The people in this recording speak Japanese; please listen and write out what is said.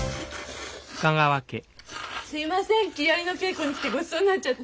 すいません木遣りの稽古に来てごちそうになっちゃって。